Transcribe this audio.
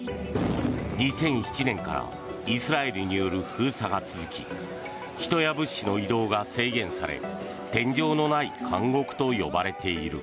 ２００７年からイスラエルによる封鎖が続き人や物資の移動が制限され天井のない監獄と呼ばれている。